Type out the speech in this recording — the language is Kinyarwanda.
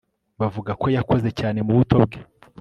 Bavuga ko yakoze cyane mubuto bwe